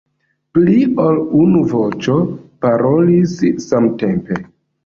Pli ol unu voĉo parolis samtempe.